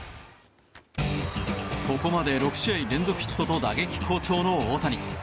ここまで６試合連続ヒットと打撃好調の大谷。